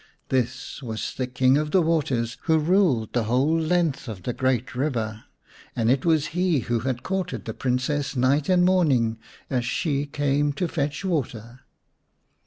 This was the King of the Waters, who ruled the whole length of the great river, and it was he who had courted the Princess night and morning as she came to fetch water.